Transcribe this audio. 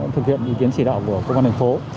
thực hiện ý kiến chỉ đạo của công an thành phố